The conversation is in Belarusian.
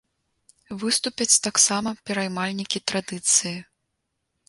Выступяць таксама пераймальнікі традыцыі.